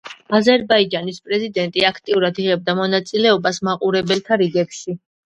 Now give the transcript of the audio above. აზერბაიჯანის პრეზიდენტი აქტიურად იღებდა მონაწილეობას მაყურებელთა რიგებში.